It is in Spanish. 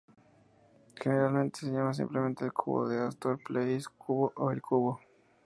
Generalmente se le llama simplemente El Cubo de Astor Place Cubo, o El Cubo.